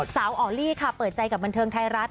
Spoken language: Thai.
ออลลี่ค่ะเปิดใจกับบันเทิงไทยรัฐ